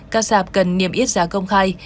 các sạp cần niêm yết giá công khai